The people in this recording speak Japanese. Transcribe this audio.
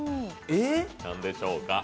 なんでしょうか？